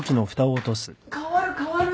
代わる代わる。